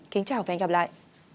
kính chào và hẹn gặp lại